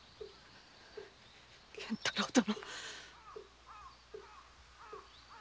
玄太郎殿！